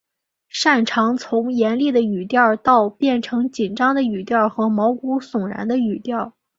善长从严厉的语调到变成紧张的语调和毛骨悚然的语调。